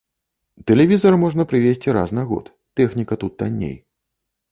Тэлевізар можна прывезці раз на год, тэхніка тут танней.